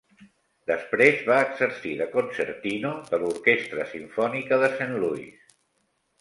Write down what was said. Després va exercir de concertino de l'orquestra simfònica de Saint Louis.